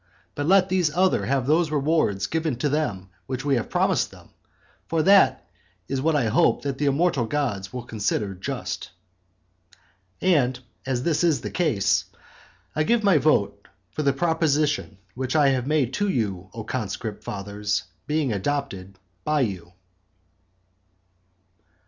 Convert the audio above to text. But let these others have those rewards given to them which we have promised them. For that is what I hope that the immortal gods will consider just. And as this is the case, I give my vote for the proposition which I have made to you, O conscript fathers, being adopted by you.